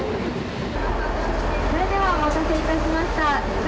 それではお待たせいたしました。